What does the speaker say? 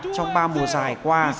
trong ba mùa giải qua